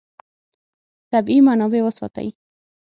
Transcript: طبیعي منابع وساتئ.